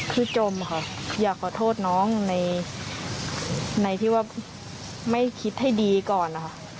คือจมค่ะอยากขอโทษน้องในที่ว่าไม่คิดให้ดีก่อนนะคะ